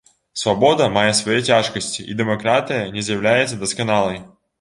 Свабода мае свае цяжкасці і дэмакратыя не з'яўляецца дасканалай.